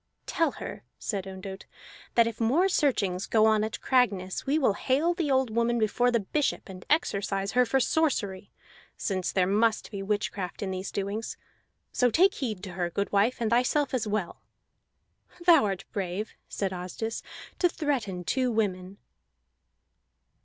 "Tell her," said Ondott, "that if more searchings go on at Cragness, we will hale the old woman before the bishop and exorcise her for sorcery, since there must be witchcraft in these doings. So take heed to her, goodwife, and thyself as well." "Thou art brave," said Asdis, "to threaten two women."